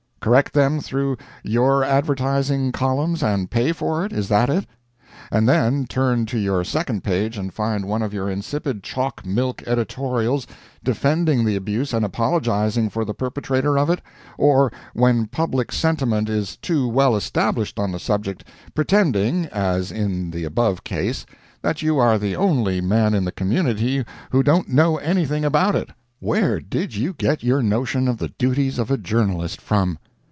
Correct them through your advertising columns and pay for it—is that it? And then turn to your second page and find one of your insipid chalk milk editorials, defending the abuse and apologizing for the perpetrator of it; or when public sentiment is too well established on the subject, pretending, as in the above case, that you are the only man in the community who don't know anything about it. Where did you get your notion of the duties of a journalist from?